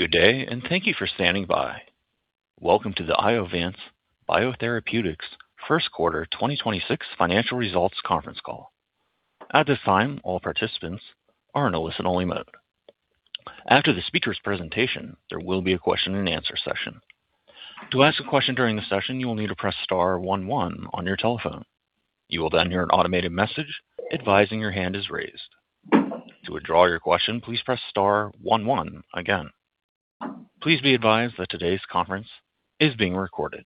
Good day, and thank you for standing by. Welcome to the Iovance Biotherapeutics first quarter 2026 financial results conference call. At this time, all participants are in a listen-only mode. After the speaker's presentation, there will be a question and answer session. To ask a question during the session, you will need to press star one one on your telephone. You will then hear an automated message advising your hand is raised. To withdraw your question, please press star one one again. Please be advised that today's conference is being recorded.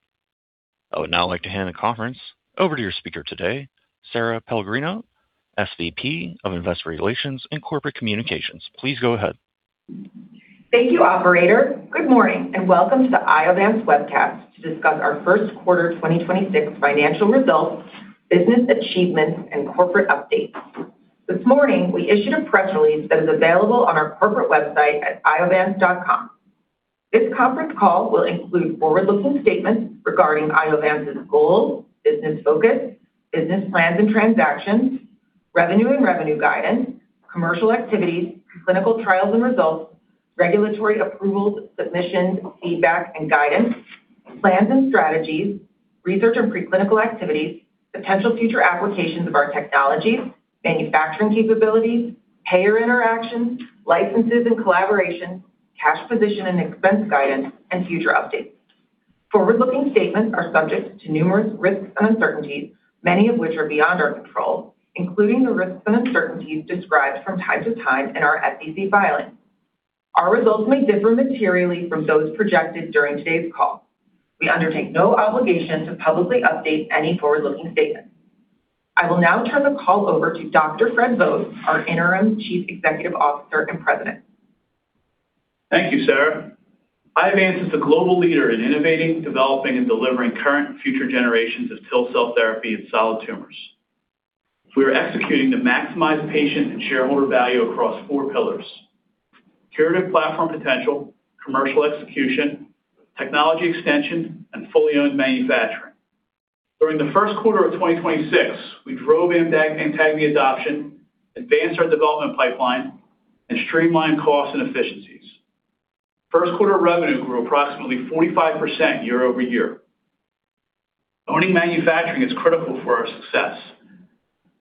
I would now like to hand the conference over to your speaker today, Sara Pellegrino, SVP of Investor Relations and Corporate Communications. Please go ahead. Thank you, operator. Good morning, welcome to the Iovance webcast to discuss our first quarter 2026 financial results, business achievements, and corporate updates. This morning, we issued a press release that is available on our corporate website at iovance.com. This conference call will include forward-looking statements regarding Iovance's goals, business focus, business plans and transactions, revenue and revenue guidance, commercial activities, clinical trials and results, regulatory approvals, submissions, feedback and guidance, plans and strategies, research and preclinical activities, potential future applications of our technologies, manufacturing capabilities, payer interactions, licenses and collaboration, cash position and expense guidance, and future updates. Forward-looking statements are subject to numerous risks and uncertainties, many of which are beyond our control, including the risks and uncertainties described from time to time in our SEC filings. Our results may differ materially from those projected during today's call. We undertake no obligation to publicly update any forward-looking statement. I will now turn the call over to Dr. Frederick Vogt, our Interim Chief Executive Officer and President. Thank you, Sara. Iovance is a global leader in innovating, developing, and delivering current and future generations of TIL cell therapy in solid tumors. We are executing to maximize patient and shareholder value across four pillars: curative platform potential, commercial execution, technology extension, and fully owned manufacturing. During the first quarter of 2026, we drove AMTAGVI adoption, advanced our development pipeline, and streamlined costs and efficiencies. First quarter revenue grew approximately 45% year-over-year. Owning manufacturing is critical for our success.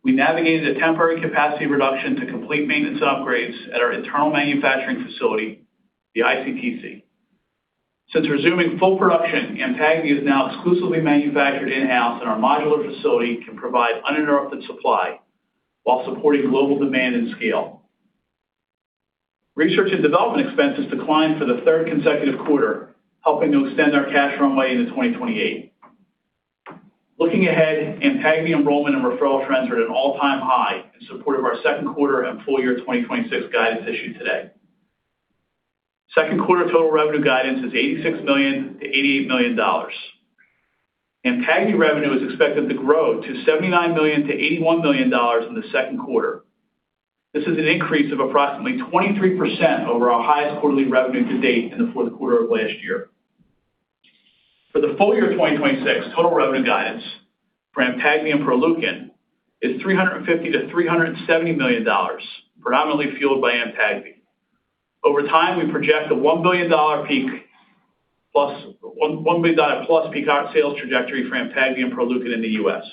We navigated a temporary capacity reduction to complete maintenance upgrades at our internal manufacturing facility, the ICTC. Since resuming full production, AMTAGVI is now exclusively manufactured in-house, and our modular facility can provide uninterrupted supply while supporting global demand and scale. Research and development expenses declined for the third consecutive quarter, helping to extend our cash runway into 2028. Looking ahead, AMTAGVI enrollment and referral trends are at an all-time high in support of our second quarter and full year 2026 guidance issued today. Second quarter total revenue guidance is $86 million-$88 million. AMTAGVI revenue is expected to grow to $79 million-$81 million in the second quarter. This is an increase of approximately 23% over our highest quarterly revenue to date in the fourth quarter of last year. For the full year 2026, total revenue guidance for AMTAGVI and Proleukin is $350 million-$370 million, predominantly fueled by AMTAGVI. Over time, we project a $1- billion peak sales trajectory for AMTAGVI and Proleukin in the U.S.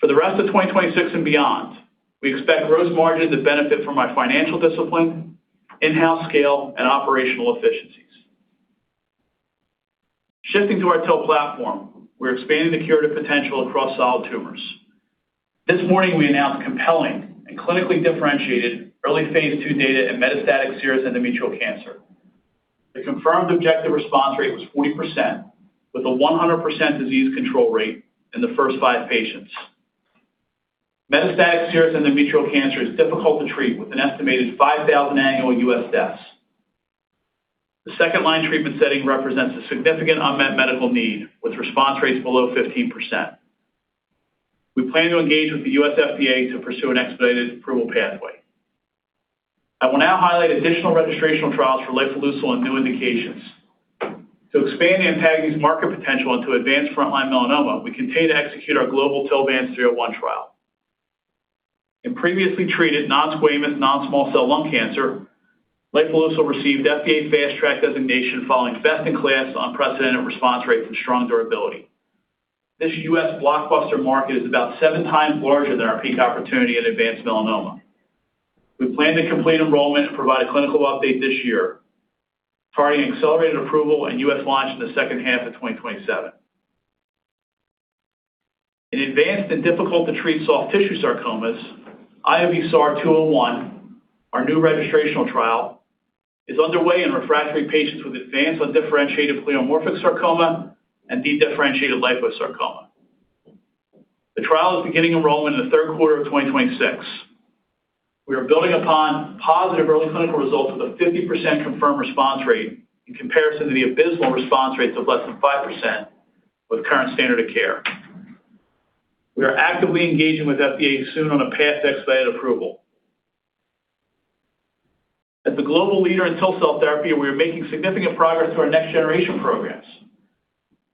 For the rest of 2026 and beyond, we expect gross margins to benefit from our financial discipline, in-house scale, and operational efficiencies. Shifting to our TIL platform, we're expanding the curative potential across solid tumors. This morning, we announced compelling and clinically differentiated early phase II data in metastatic serous endometrial cancer. The confirmed objective response rate was 40% with a 100% disease control rate in the first five patients. Metastatic serous endometrial cancer is difficult to treat with an estimated 5,000 annual U.S. deaths. The second-line treatment setting represents a significant unmet medical need with response rates below 15%. We plan to engage with the U.S. FDA to pursue an expedited approval pathway. I will now highlight additional registrational trials for lifileucel and new indications. To expand the AMTAGVI's market potential into advanced frontline melanoma, we continue to execute our global TILVANCE-301 trial. In previously treated non-squamous, non-small cell lung cancer, lifileucel received FDA Fast Track designation following best-in-class unprecedented response rate and strong durability. This U.S. blockbuster market is about seven times larger than our peak opportunity in advanced melanoma. We plan to complete enrollment and provide a clinical update this year, targeting Accelerated Approval and U.S. launch in the second half of 2027. In advanced and difficult to treat soft tissue sarcomas, IOV-SAR-201, our new registrational trial, is underway in refractory patients with advanced undifferentiated pleomorphic sarcoma and dedifferentiated liposarcoma. The trial is beginning enrollment in the 3rd quarter of 2026. We are building upon positive early clinical results with a 50% confirmed response rate in comparison to the abysmal response rates of less than 5% with current standard of care. We are actively engaging with FDA soon on a path to Accelerated Approval. As the global leader in TIL cell therapy, we are making significant progress to our next generation programs.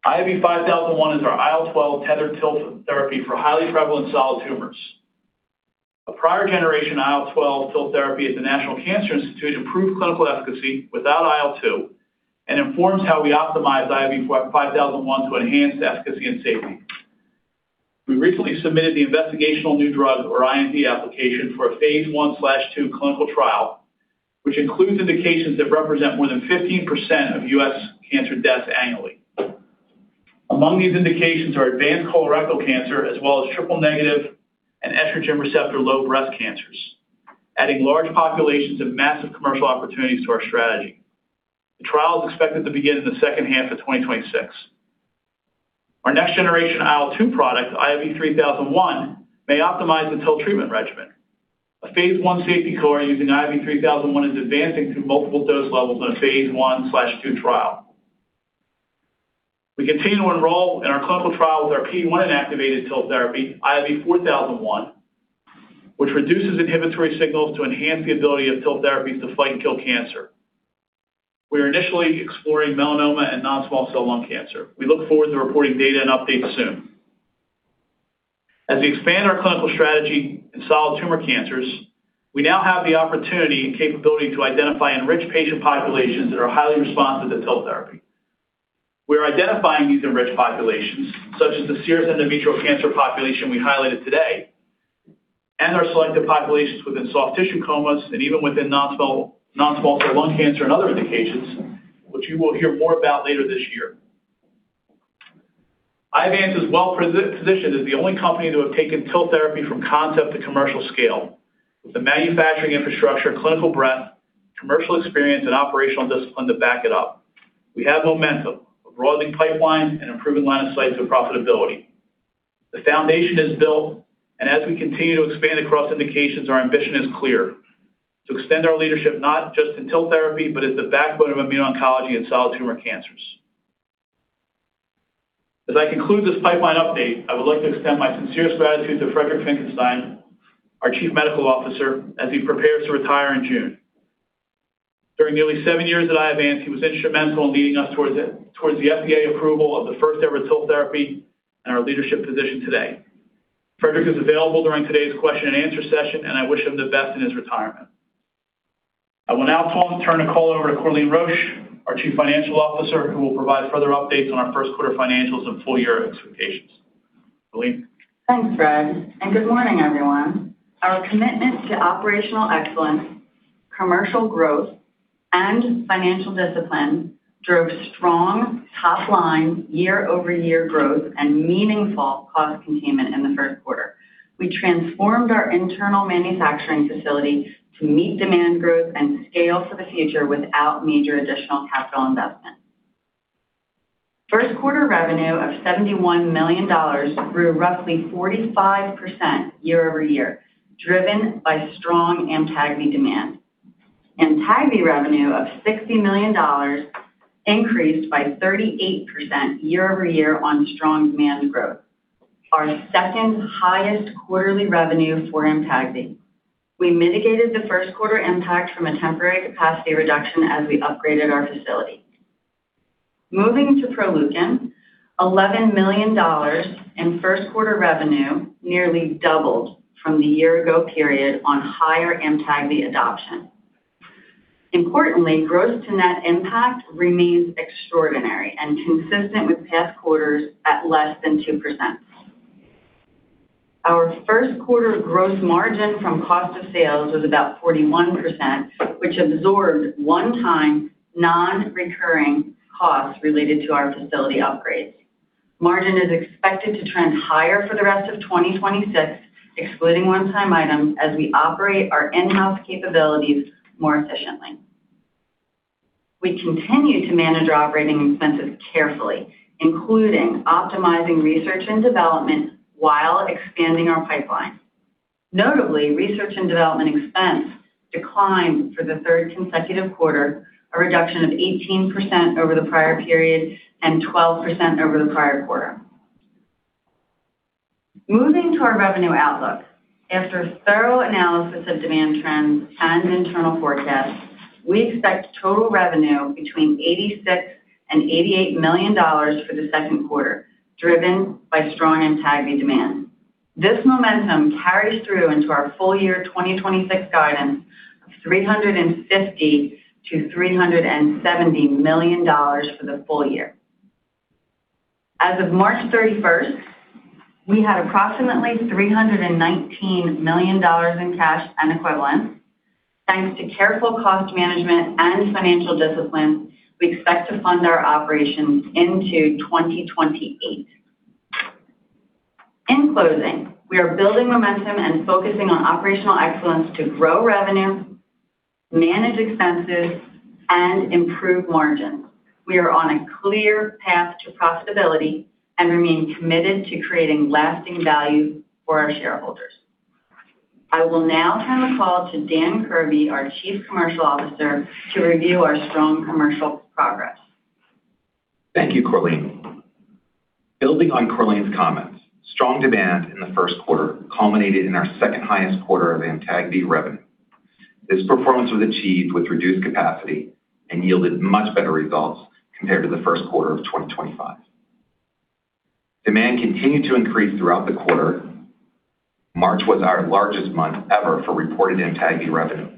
IOV-5001 is our IL-12 tethered TIL therapy for highly prevalent solid tumors. A prior generation IL-12 TIL therapy at the National Cancer Institute improved clinical efficacy without IL-2 and informs how we optimize IOV-5001 to enhance efficacy and safety. We recently submitted the investigational new drug or IND application for a phase I/II clinical trial, which includes indications that represent more than 15% of U.S. cancer deaths annually. Among these indications are advanced colorectal cancer as well as triple-negative and estrogen receptor-low breast cancers, adding large populations of massive commercial opportunities to our strategy. The trial is expected to begin in the second half of 2026. Our next generation IL-2 product, IOV-3001, may optimize the TIL treatment regimen. A phase I safety cohort using IOV-3001 is advancing through multiple dose levels in a phase I/II trial. We continue to enroll in our clinical trial with our PD-1 inactivated TIL therapy, IOV-4001, which reduces inhibitory signals to enhance the ability of TIL therapies to fight and kill cancer. We are initially exploring melanoma and non-small cell lung cancer. We look forward to reporting data and updates soon. As we expand our clinical strategy in solid tumor cancers, we now have the opportunity and capability to identify and enrich patient populations that are highly responsive to TIL therapy. We are identifying these enriched populations, such as the serous endometrial cancer population we highlighted today, and our selected populations within soft tissue sarcomas and even within non-small cell lung cancer and other indications, which you will hear more about later this year. Iovance is well-positioned as the only company to have taken TIL therapy from concept to commercial scale with the manufacturing infrastructure, clinical breadth, commercial experience and operational discipline to back it up. We have momentum, a broadening pipeline and improving line of sight to profitability. The foundation is built, as we continue to expand across indications, our ambition is clear. To extend our leadership not just in TIL therapy, but as the backbone of immune oncology and solid tumor cancers. As I conclude this pipeline update, I would like to extend my sincere gratitude to Friedrich Graf Finckenstein, our Chief Medical Officer, as he prepares to retire in June. During nearly seven years at Iovance, he was instrumental in leading us towards the FDA approval of the first-ever TIL therapy and our leadership position today. Friedrich is available during today's question and answer session, and I wish him the best in his retirement. I will now turn the call over to Corleen Roche, our Chief Financial Officer, who will provide further updates on our first quarter financials and full year expectations. Corleen? Thanks, Fred, and good morning, everyone. Our commitment to operational excellence, commercial growth, and financial discipline drove strong top-line year-over-year growth and meaningful cost containment in the first quarter. We transformed our internal manufacturing facility to meet demand growth and scale for the future without major additional capital investment. First quarter revenue of $71 million grew roughly 45% year-over-year, driven by strong AMTAGVI demand. AMTAGVI revenue of $60 million increased by 38% year-over-year on strong demand growth. Our second-highest quarterly revenue for AMTAGVI. We mitigated the first quarter impact from a temporary capacity reduction as we upgraded our facility. Moving to Proleukin, $11 million in first quarter revenue nearly doubled from the year ago period on higher AMTAGVI adoption. Importantly, gross to net impact remains extraordinary and consistent with past quarters at less than 2%. Our first quarter gross margin from cost of sales was about 41%, which absorbed one-time non-recurring costs related to our facility upgrades. Margin is expected to trend higher for the rest of 2026, excluding one-time items, as we operate our in-house capabilities more efficiently. We continue to manage our operating expenses carefully, including optimizing research and development while expanding our pipeline. Notably, research and development expense declined for the third consecutive quarter, a reduction of 18% over the prior period and 12% over the prior quarter. Moving to our revenue outlook. After thorough analysis of demand trends and internal forecasts, we expect total revenue between $86 million and $88 million for the second quarter, driven by strong AMTAGVI demand. This momentum carries through into our full year 2026 guidance of $350 million-$370 million for the full year. As of March 31st, we had approximately $319 million in cash and equivalents. Thanks to careful cost management and financial discipline, we expect to fund our operations into 2028. In closing, we are building momentum and focusing on operational excellence to grow revenue, manage expenses, and improve margins. We are on a clear path to profitability and remain committed to creating lasting value for our shareholders. I will now turn the call to Dan Kirby, our Chief Commercial Officer, to review our strong commercial progress. Thank you, Corleen. Building on Corleen's comments, strong demand in the first quarter culminated in our second-highest quarter of AMTAGVI revenue. This performance was achieved with reduced capacity and yielded much better results compared to the first quarter of 2025. Demand continued to increase throughout the quarter. March was our largest month ever for reported AMTAGVI revenue.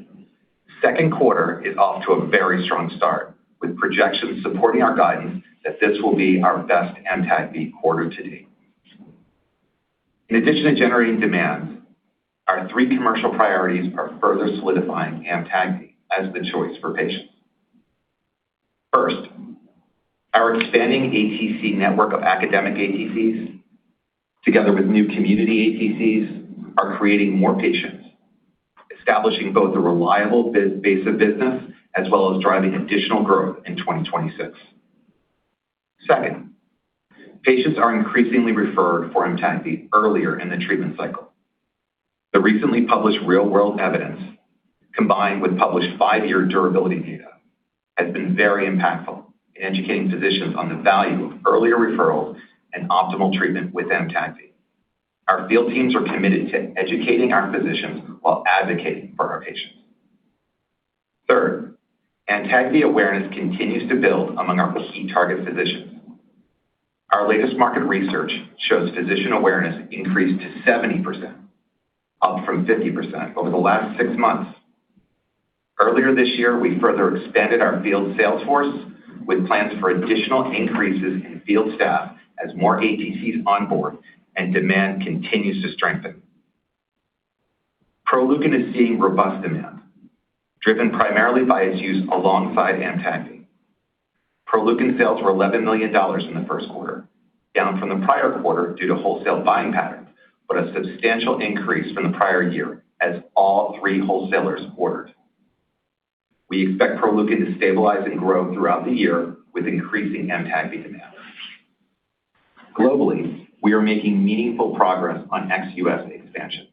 Second quarter is off to a very strong start with projections supporting our guidance that this will be our best AMTAGVI quarter to date. In addition to generating demand, our three commercial priorities are further solidifying AMTAGVI as the choice for patients. First, our expanding ATC network of academic ATCs together with new community ATCs are creating more patients, establishing both a reliable base of business as well as driving additional growth in 2026. Second, patients are increasingly referred for AMTAGVI earlier in the treatment cycle. The recently published real-world evidence, combined with published five-year durability data, has been very impactful in educating physicians on the value of earlier referrals and optimal treatment with AMTAGVI. Our field teams are committed to educating our physicians while advocating for our patients. Third, AMTAGVI awareness continues to build among our key target physicians. Our latest market research shows physician awareness increased to 70%, up from 50% over the last six months. Earlier this year, we further expanded our field sales force with plans for additional increases in field staff as more ATCs onboard and demand continues to strengthen. Proleukin is seeing robust demand, driven primarily by its use alongside AMTAGVI. Proleukin sales were $11 million in the first quarter, down from the prior quarter due to wholesale buying patterns, but a substantial increase from the prior year as all three wholesalers ordered. We expect Proleukin to stabilize and grow throughout the year with increasing AMTAGVI demand. Globally, we are making meaningful progress on ex-U.S. expansion.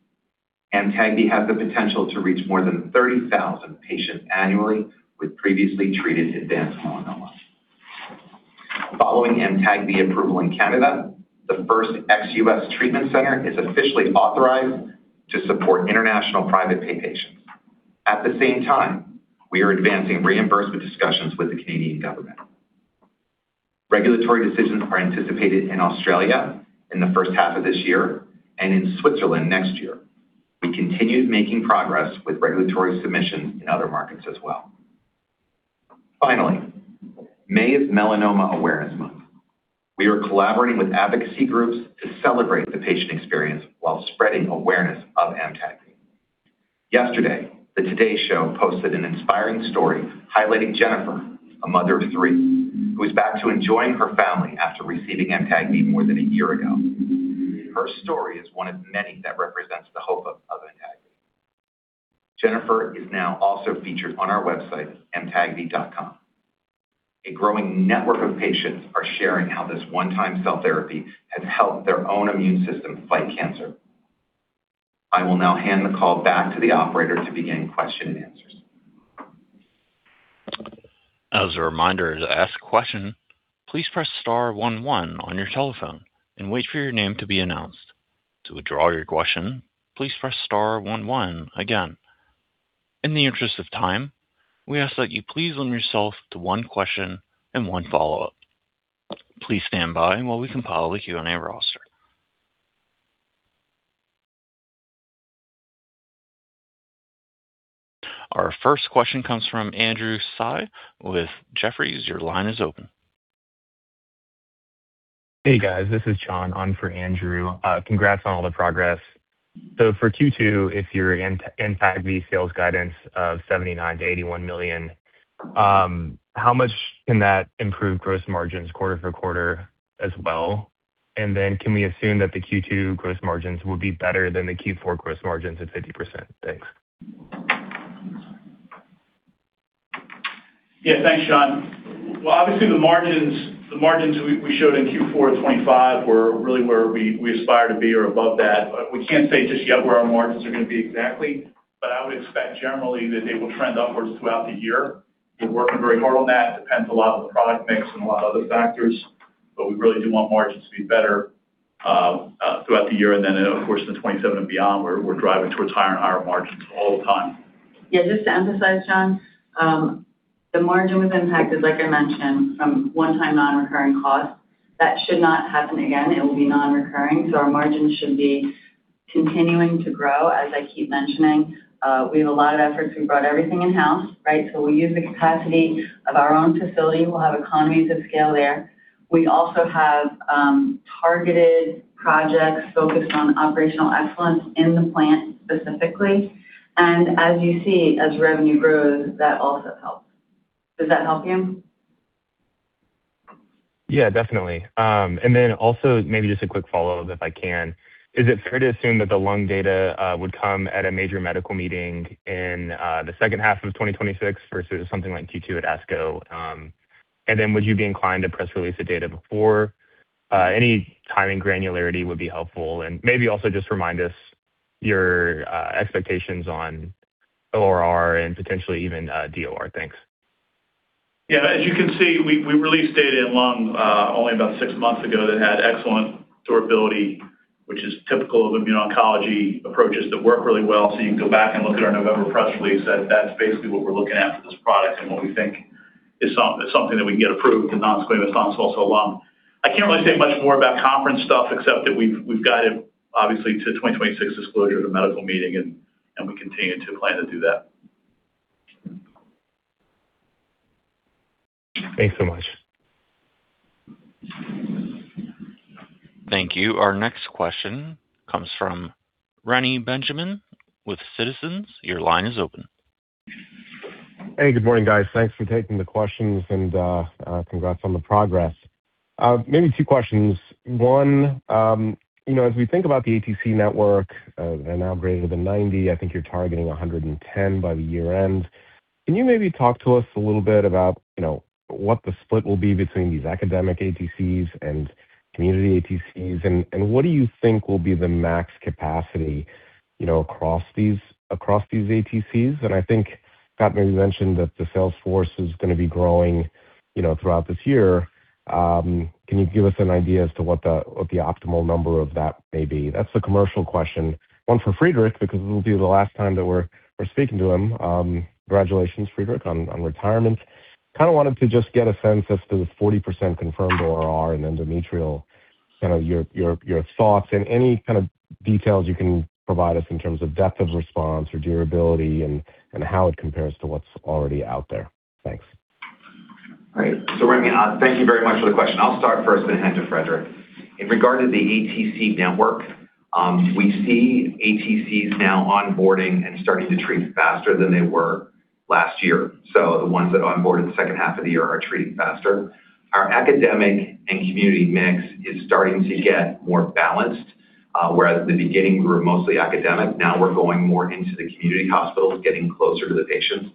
AMTAGVI has the potential to reach more than 30,000 patients annually with previously treated advanced melanoma. Following AMTAGVI approval in Canada, the first ex-U.S. treatment center is officially authorized to support international private pay patients. At the same time, we are advancing reimbursement discussions with the Canadian government. Regulatory decisions are anticipated in Australia in the first half of this year and in Switzerland next year. We continued making progress with regulatory submissions in other markets as well. Finally, May is Melanoma Awareness Month. We are collaborating with advocacy groups to celebrate the patient experience while spreading awareness of AMTAGVI. Yesterday, the Today Show posted an inspiring story highlighting Jennifer, a mother of three, who is back to enjoying her family after receiving AMTAGVI more than a year ago. Her story is one of many that represents the hope of AMTAGVI. Jennifer is now also featured on our website, amtagvi.com. A growing network of patients are sharing how this one-time cell therapy has helped their own immune system fight cancer. I will now hand the call back to the operator to begin question and answers. As a reminder, to ask a question, please press star one one on your telephone and wait for your name to be announced. To withdraw your question, please press star one one again. In the interest of time, we ask that you please limit yourself to one question and one follow-up. Please stand by while we compile the Q&A roster. Our first question comes from Andrew Tsai with Jefferies. Your line is open. Hey, guys. This is John on for Andrew. Congrats on all the progress. For Q2, if your AMTAGVI sales guidance of $79 million-$81 million, how much can that improve gross margins quarter-over-quarter as well? Can we assume that the Q2 gross margins will be better than the Q4 gross margins at 50%? Thanks. Yeah. Thanks, John. Obviously, the margins we showed in Q4 of 2025 were really where we aspire to be or above that. We can't say just yet where our margins are gonna be exactly. I would expect generally that they will trend upwards throughout the year. We're working very hard on that. It depends a lot on the product mix and a lot of other factors. We really do want margins to be better throughout the year. Of course, in the 2027 and beyond, we're driving towards higher and higher margins all the time. Yeah. Just to emphasize, John, the margin was impacted, like I mentioned, from one-time non-recurring costs. That should not happen again. It will be non-recurring. Our margins should be continuing to grow. As I keep mentioning, we have a lot of efforts. We brought everything in-house, right? We use the capacity of our own facility. We'll have economies of scale there. We also have targeted projects focused on operational excellence in the plant specifically. As you see, as revenue grows, that also helps. Does that help you? Yeah, definitely. Maybe just a quick follow-up, if I can. Is it fair to assume that the lung data would come at a major medical meeting in the second half of 2026 versus something like Q2 at ASCO? Would you be inclined to press release the data before? Any timing granularity would be helpful. Maybe also just remind us your expectations on ORR and potentially even DOR. Thanks. Yeah, as you can see, we really stayed in lung only about six months ago that had excellent durability, which is typical of immuno-oncology approaches that work really well. You can go back and look at our November press release that's basically what we're looking at for this product and what we think is something that we can get approved, non-squamous non-small cell lung. I can't really say much more about conference stuff except that we've got it obviously to 2026 disclosure at a medical meeting and we continue to plan to do that. Thanks so much. Thank you. Our next question comes from Reni Benjamin with Citizens. Your line is open. Hey, good morning, guys. Thanks for taking the questions and congrats on the progress. Maybe two questions. One, you know, as we think about the ATC network, they're now greater than 90, I think you're targeting 110 by the year end. Can you maybe talk to us a little bit about, you know, what the split will be between these academic ATCs and community ATCs? What do you think will be the max capacity, you know, across these ATCs? I think Kirby may have mentioned that the sales force is going to be growing, you know, throughout this year. Can you give us an idea as to what the optimal number of that may be? That's the commercial question. One for Friedrich, because it will be the last time that we're speaking to him. Congratulations, Friedrich, on retirement. Kinda wanted to just get a sense as to the 40% confirmed ORR in endometrial, kinda your thoughts and any kind of details you can provide us in terms of depth of response or durability and how it compares to what's already out there. Thanks. All right. Reni, thank you very much for the question. I'll start first then hand to Friedrich. In regard to the ATC network, we see ATCs now onboarding and starting to treat faster than they were last year. The ones that onboarded the second half of the year are treating faster. Our academic and community mix is starting to get more balanced, whereas at the beginning, we were mostly academic. Now we're going more into the community hospitals, getting closer to the patients,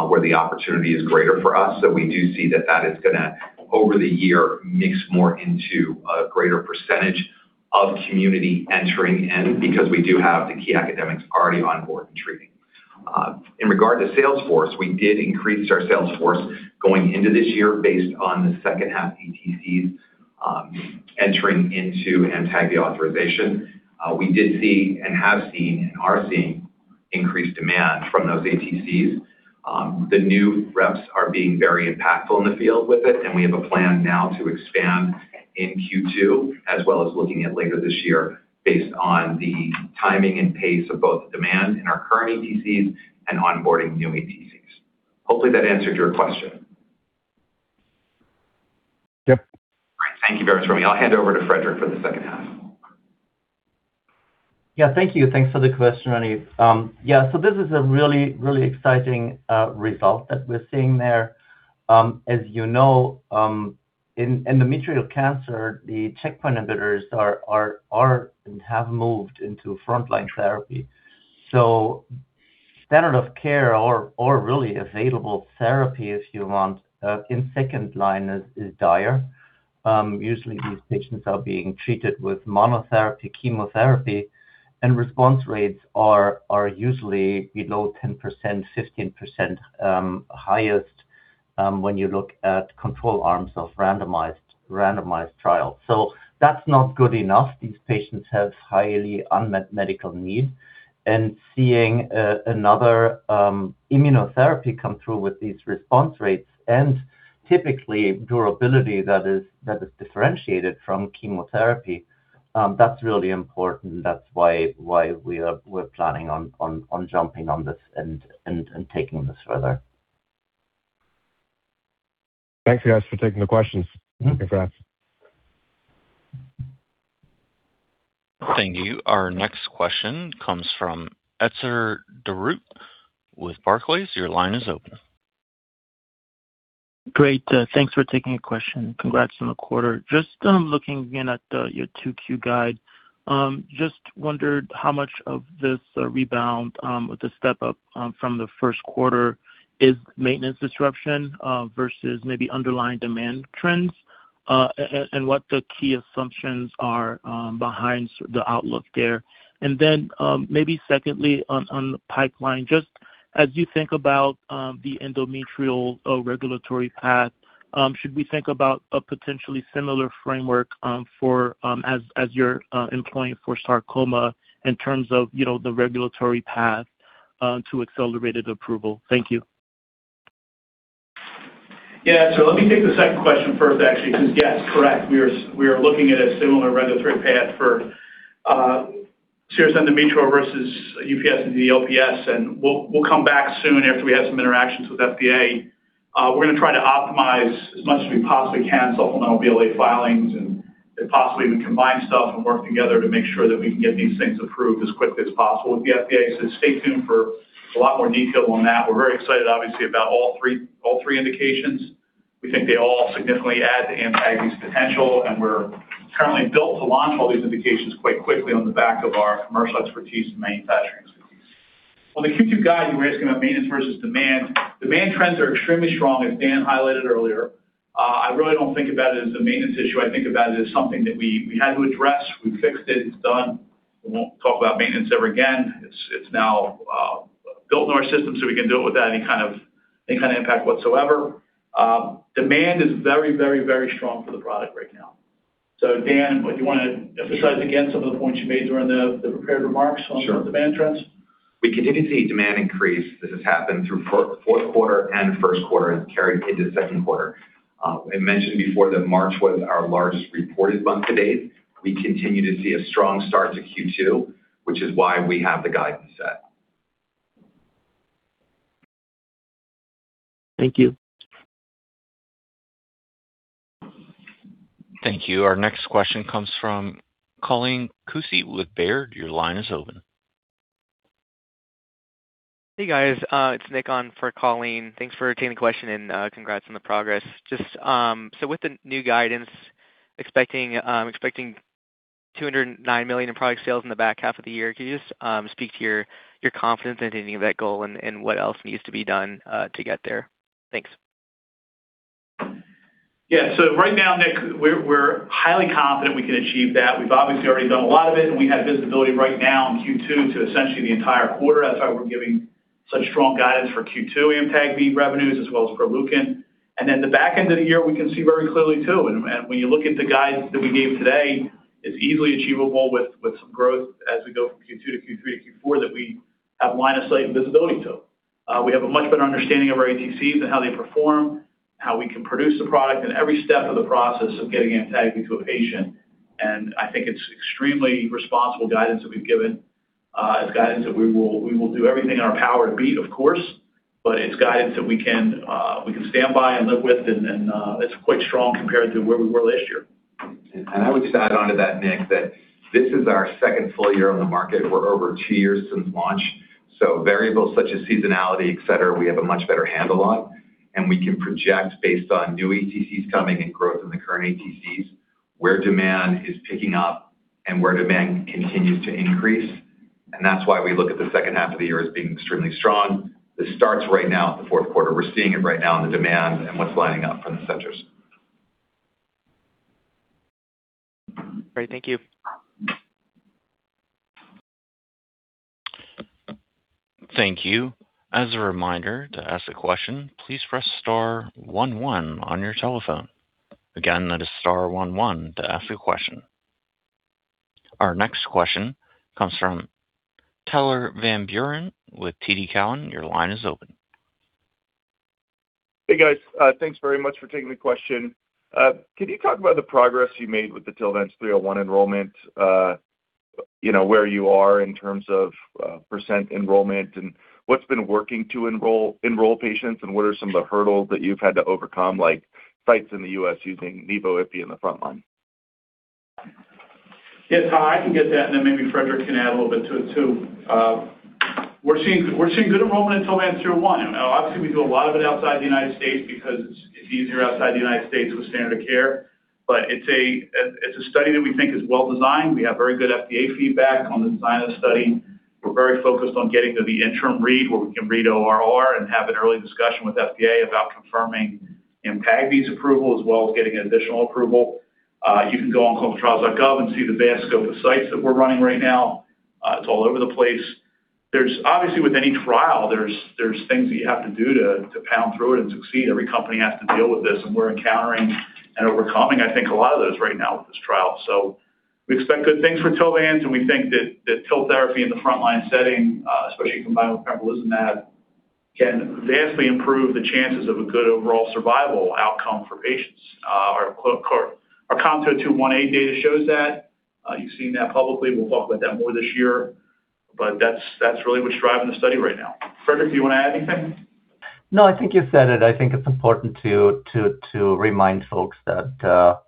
where the opportunity is greater for us. We do see that that is gonna, over the year, mix more into a greater percentage of community entering in because we do have the key academics already on board and treating. In regard to sales force, we did increase our sales force going into this year based on the second half ATCs, entering into AMTAGVI authorization. We did see and have seen and are seeing increased demand from those ATCs. The new reps are being very impactful in the field with it, and we have a plan now to expand in Q2, as well as looking at later this year based on the timing and pace of both demand in our current ATCs and onboarding new ATCs. Hopefully, that answered your question. Yeah. All right. Thank you very much, Reni. I'll hand over to Friedrich for the second half. Thank you. Thanks for the question, Reni. This is a really, really exciting result that we're seeing there. As you know, in endometrial cancer, the checkpoint inhibitors are and have moved into frontline therapy. Standard of care or really available therapy, if you want, in second line is dire. Usually these patients are being treated with monotherapy chemotherapy, and response rates are usually below 10%, 15% highest, when you look at control arms of randomized trials. That's not good enough. These patients have highly unmet medical needs, and seeing another immunotherapy come through with these response rates and typically durability that is differentiated from chemotherapy, that's really important. That's why we're planning on jumping on this and taking this further. Thanks, guys, for taking the questions. Congrats. Thank you. Our next question comes from Etzer Darout with Barclays. Your line is open. Great. Thanks for taking the question. Congrats on the quarter. Just looking again at your 2Q guide, just wondered how much of this rebound with the step up from the first quarter is maintenance disruption versus maybe underlying demand trends and what the key assumptions are behind the outlook there. Then maybe secondly on the pipeline, just as you think about the endometrial regulatory path, should we think about a potentially similar framework for as you're employing for sarcoma in terms of, you know, the regulatory path to Accelerated Approval? Thank you. Let me take the second question first, actually, because yes, correct. We are looking at a similar regulatory path for uterine serous carcinoma versus UPS and DDLPS, and we'll come back soon after we have some interactions with FDA. We're gonna try to optimize as much as we possibly can supplemental BLA filings and possibly even combine stuff and work together to make sure that we can get these things approved as quickly as possible with the FDA. Stay tuned for a lot more detail on that. We're very excited obviously about all three indications. We think they all significantly add to Amtag's potential, and we're currently built to launch all these indications quite quickly on the back of our commercial expertise and manufacturing expertise. On the Q2 guide, you were asking about maintenance versus demand. Demand trends are extremely strong, as Dan highlighted earlier. I really don't think about it as a maintenance issue. I think about it as something that we had to address, we fixed it's done. We won't talk about maintenance ever again. It's now built in our system, so we can do it without any kind of, any kind of impact whatsoever. Demand is very, very, very strong for the product right now. Dan, would you wanna emphasize again some of the points you made during the prepared remarks on demand trends? We continue to see demand increase. This has happened through fourth quarter and first quarter and carried into second quarter. I mentioned before that March was our largest reported month to date. We continue to see a strong start to Q2, which is why we have the guidance set. Thank you. Thank you. Our next question comes from Colleen Kusy with Baird. Your line is open. Hey, guys. It's Nick on for Colleen. Thanks for taking the question. Congrats on the progress. With the new guidance expecting $209 million in product sales in the back half of the year, can you just speak to your confidence in hitting that goal and what else needs to be done to get there? Thanks. Yeah. Right now, Nick, we're highly confident we can achieve that. We've obviously already done a lot of it, and we have visibility right now in Q2 to essentially the entire quarter. That's why we're giving such strong guidance for Q2 AMTAGVI revenues as well as for Proleukin. Then the back end of the year, we can see very clearly too. When you look at the guidance that we gave today, it's easily achievable with some growth as we go from Q2 to Q3 to Q4 that we have line of sight and visibility to. We have a much better understanding of our ATCs and how they perform, how we can produce the product in every step of the process of getting AMTAGVI to a patient. I think it's extremely responsible guidance that we've given, as guidance that we will do everything in our power to beat, of course. It's guidance that we can stand by and live with, and it's quite strong compared to where we were last year. I would just add on to that, Nick, that this is our second full year on the market. We're over two years since launch. Variables such as seasonality, et cetera, we have a much better handle on, and we can project based on new ATCs coming and growth in the current ATCs, where demand is picking up and where demand continues to increase. That's why we look at the second half of the year as being extremely strong. This starts right now at the fourth quarter. We're seeing it right now in the demand and what's lining up for the centers. Great. Thank you. Thank you. As a reminder, to ask a question, please press star one one on your telephone. Again, that is star one one to ask a question. Our next question comes from Tyler Van Buren with TD Cowen. Your line is open. Hey, guys. thanks very much for taking the question. can you talk about the progress you made with the TILVANCE-301 enrollment? Where you are in terms of percent enrollment and what's been working to enroll patients, and what are some of the hurdles that you've had to overcome, like sites in the U.S. using nivolumab and ipilimumab in the frontline? Yes. I can get that, and then maybe Frederich can add a little bit to it too. We're seeing good enrollment in TILVANCE-301. Obviously, we do a lot of it outside the U.S. because it's easier outside the U.S. with standard of care. It's a study that we think is well-designed. We have very good FDA feedback on the design of the study. We're very focused on getting to the interim read where we can read ORR and have an early discussion with FDA about confirming AMTAGVI's approval as well as getting additional approval. You can go on clinicaltrials.gov and see the vast scope of sites that we're running right now. It's all over the place. Obviously, with any trial, there's things that you have to do to pound through it and succeed. Every company has to deal with this, and we're encountering and overcoming, I think, a lot of those right now with this trial. We expect good things for TILVANCE-301, and we think that TIL therapy in the frontline setting, especially combined with pembrolizumab, can vastly improve the chances of a good overall survival outcome for patients. Our COM-202 1A data shows that. You've seen that publicly. We'll talk about that more this year. That's really what's driving the study right now. Frederick, do you wanna add anything? No, I think you've said it. I think it's important to remind folks that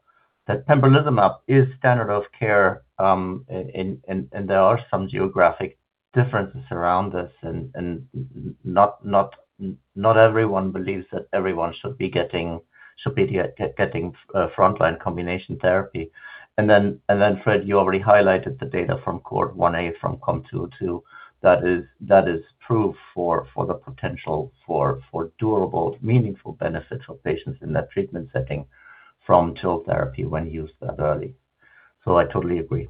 pembrolizumab is standard of care, and there are some geographic differences around this and not everyone believes that everyone should be getting frontline combination therapy. Then Fred, you already highlighted the data from cohort 1A from COM-202. That is proof for the potential for durable, meaningful benefits for patients in that treatment setting from TIL therapy when used that early. I totally agree.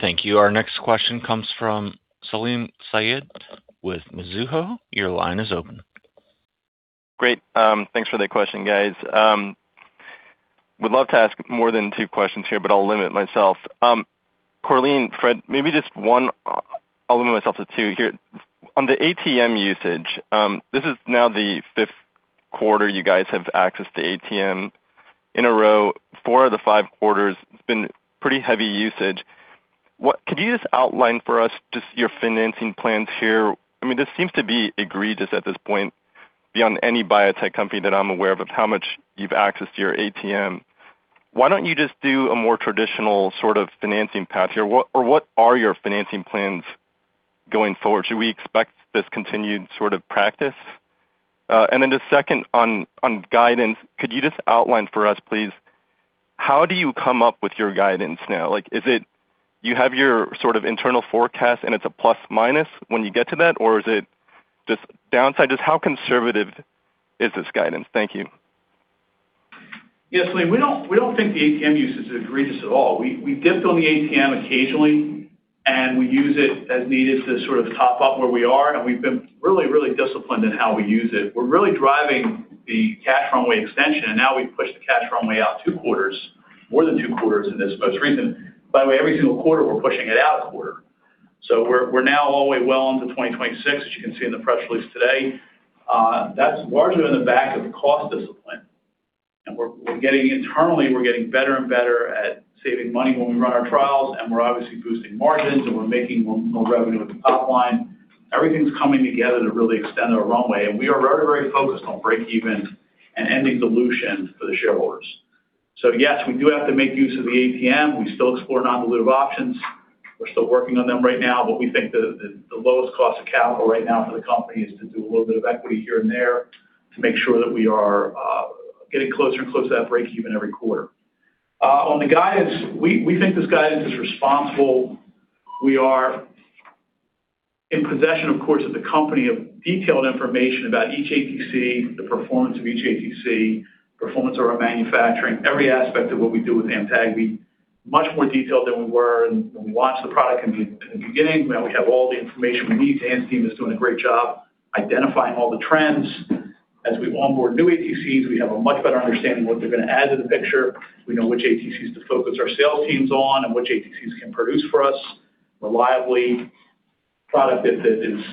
Thank you. Our next question comes from Salim Syed with Mizuho. Your line is open. Great. Thanks for the question, guys. Would love to ask more than two questions here, but I'll limit myself. Corleen, Fred, maybe just one I'll limit myself to two here. On the ATM usage, this is now the fifth quarter you guys have access to ATM in a row. Four of the five quarters, it's been pretty heavy usage. Could you just outline for us just your financing plans here? I mean, this seems to be egregious at this point beyond any biotech company that I'm aware of how much you've accessed your ATM. Why don't you just do a more traditional sort of financing path here? What are your financing plans going forward? Should we expect this continued sort of practice? The second on guidance, could you just outline for us, please. How do you come up with your guidance now? Like, is it you have your sort of internal forecast and it's a plus minus when you get to that? Or is it just downside? Just how conservative is this guidance? Thank you. We don't think the ATM use is egregious at all. We dipped on the ATM occasionally, and we use it as needed to sort of top up where we are, and we've been really disciplined in how we use it. We're really driving the cash runway extension, and now we've pushed the cash runway out two quarters, more than two quarters in this most recent. By the way, every single quarter, we're pushing it out one quarter. We're now all the way well into 2026, as you can see in the press release today. That's largely on the back of cost discipline. Internally, we're getting better and better at saving money when we run our trials, and we're obviously boosting margins, and we're making more revenue at the top line. Everything's coming together to really extend our runway. We are very, very focused on break even and ending dilution for the shareholders. Yes, we do have to make use of the ATM. We still explore non-dilutive options. We're still working on them right now, but we think the lowest cost of capital right now for the company is to do a little bit of equity here and there to make sure that we are getting closer and closer to that break even every quarter. On the guidance, we think this guidance is responsible. We are in possession, of course, of the company of detailed information about each ATC, the performance of each ATC, performance of our manufacturing, every aspect of what we do with AMTAGVI, much more detailed than we were when we launched the product in the beginning. Now we have all the information we need. The AMTAGVI's team is doing a great job identifying all the trends. As we onboard new ATCs, we have a much better understanding of what they're gonna add to the picture. We know which ATCs to focus our sales teams on and which ATCs can produce for us reliably, product that is,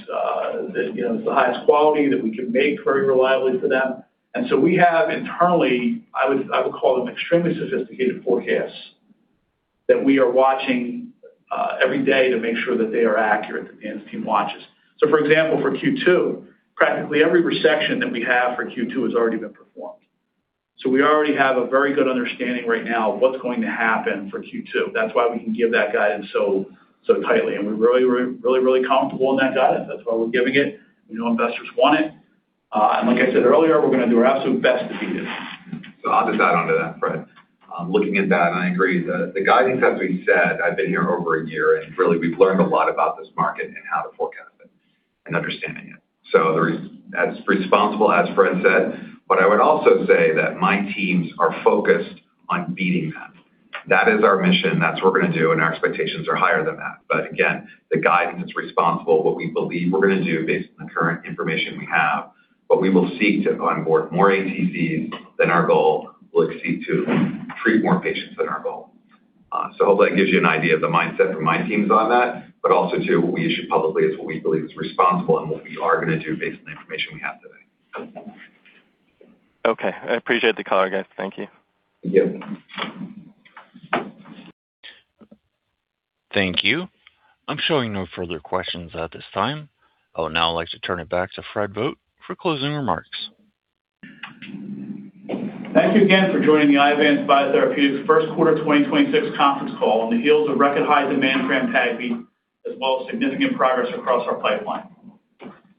that, you know, is the highest quality that we can make very reliably for them. We have internally, I would call them extremely sophisticated forecasts that we are watching every day to make sure that they are accurate, that the AMTAGVI's team watches. For example, for Q2, practically every resection that we have for Q2 has already been performed. We already have a very good understanding right now of what's going to happen for Q2. That's why we can give that guidance so tightly. We're really, really, really comfortable in that guidance. That's why we're giving it. We know investors want it. Like I said earlier, we're gonna do our absolute best to beat it. I'll just add on to that, Fred. Looking at that, I agree the guidance, as we said, I've been here over one year, and really we've learned a lot about this market and how to forecast it and understanding it. As responsible as Fred said, what I would also say that my teams are focused on beating that. That is our mission. That's what we're gonna do, and our expectations are higher than that. Again, the guidance is responsible, what we believe we're gonna do based on the current information we have. We will seek to onboard more ATCs than our goal. We'll seek to treat more patients than our goal. Hopefully that gives you an idea of the mindset from my teams on that, but also too what we issue publicly is what we believe is responsible and what we are gonna do based on the information we have today. Okay. I appreciate the call, guys. Thank you. Thank you. Thank you. I am showing no further questions at this time. I would now like to turn it back to Frederick Vogt for closing remarks. Thank you again for joining the Iovance Biotherapeutics first quarter 2026 conference call on the heels of record high demand for AMTAGVI, as well as significant progress across our pipeline.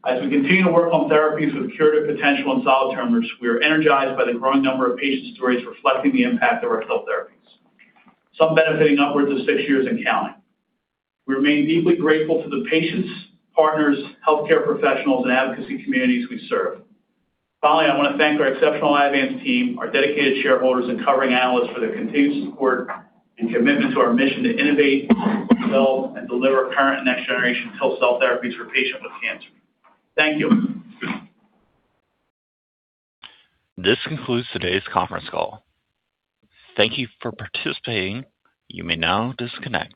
As we continue to work on therapies with curative potential in solid tumors, we are energized by the growing number of patient stories reflecting the impact of our cell therapies, some benefiting upwards of six years and counting. We remain deeply grateful to the patients, partners, healthcare professionals, and advocacy communities we serve. Finally, I wanna thank our exceptional Iovance team, our dedicated shareholders, and covering analysts for their continued support and commitment to our mission to innovate, develop, and deliver current and next generation cell therapies for patients with cancer. Thank you. This concludes today's conference call. Thank you for participating. You may now disconnect.